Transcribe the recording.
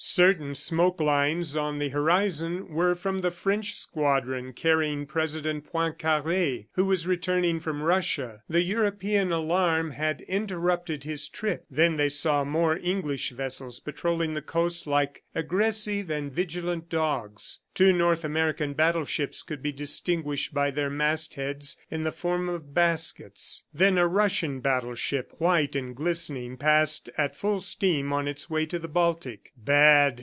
Certain smoke lines on the horizon were from the French squadron carrying President Poincare who was returning from Russia. The European alarm had interrupted his trip. Then they saw more English vessels patrolling the coast line like aggressive and vigilant dogs. Two North American battleships could be distinguished by their mast heads in the form of baskets. Then a Russian battleship, white and glistening, passed at full steam on its way to the Baltic. "Bad!"